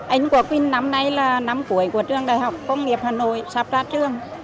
anh của quỳnh năm nay là năm cuối của trường đại học công nghiệp hà nội sắp ra trường